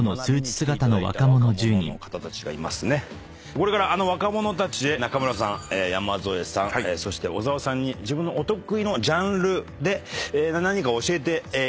これからあの若者たちへ中村さん山添さんそして小澤さんに自分のお得意のジャンルで何かを教えていただきます。